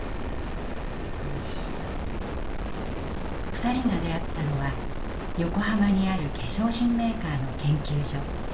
２人が出会ったのは横浜にある化粧品メーカーの研究所。